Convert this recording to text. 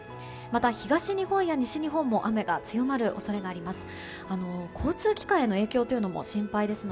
また、東日本や西日本も雨が強まる恐れがあります。